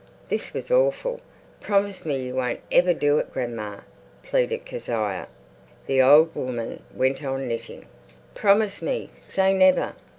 This was awful. "Promise me you won't ever do it, grandma," pleaded Kezia. The old woman went on knitting. "Promise me! Say never!"